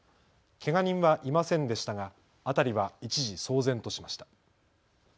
けが人はいませんでしたが辺りは一時騒然としました。